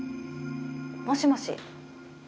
もしもし。